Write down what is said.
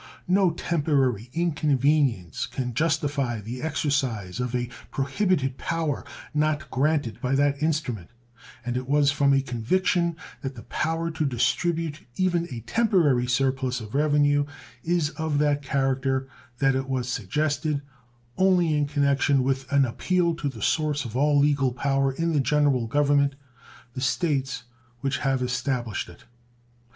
No temporary inconvenience can justify the exercise of a prohibited power not granted by that instrument, and it was from a conviction that the power to distribute even a temporary surplus of revenue is of that character that it was suggested only in connection with an appeal to the source of all legal power in the General Government, the States which have established it.